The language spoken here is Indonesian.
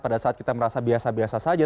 pada saat kita merasa biasa biasa saja